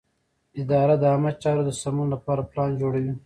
اداره د عامه چارو د سمون لپاره پلان جوړوي.